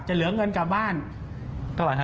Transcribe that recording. จะเหลือเงินจอบบ้าน๒๕บาท